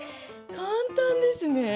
簡単ですね！